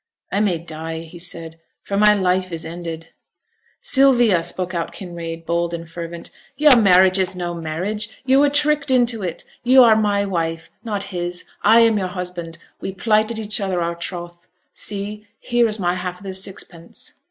'I may die,' he said, 'for my life is ended!' 'Sylvia!' spoke out Kinraid, bold and fervent, 'your marriage is no marriage. You were tricked into it. You are my wife, not his. I am your husband; we plighted each other our troth. See! here is my half of the sixpence.'